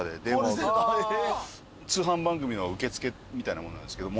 通販番組の受付みたいなものなんですけども。